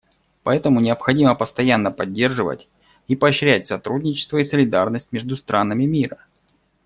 Поэтому необходимо постоянно поддерживать и поощрять сотрудничество и солидарность между странами мира.